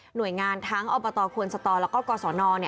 หน่วยงานทั้งอบตควนสตแล้วก็กศน